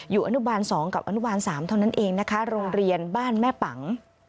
อนุบาล๒กับอนุบาล๓เท่านั้นเองนะคะโรงเรียนบ้านแม่ปัง